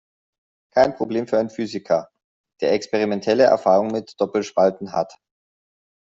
Kein Problem für einen Physiker, der experimentelle Erfahrung mit Doppelspalten hat.